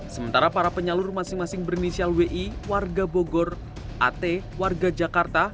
sementara para penyalur masing masing berinisial wi warga bogor at warga jakarta